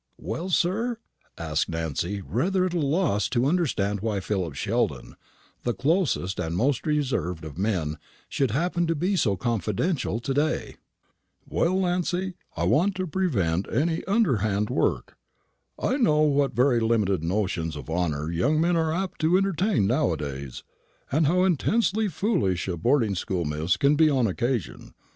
"Well, sir?" asked Nancy, rather at a loss to understand why Philip Sheldon, the closest and most reserved of men, should happen to be so confidential to day. "Well, Nancy, what I want to prevent is any underhand work. I know what very limited notions of honour young men are apt to entertain nowadays, and how intensely foolish a boarding school miss can be on occasion.